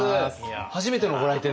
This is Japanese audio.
初めてのご来店で？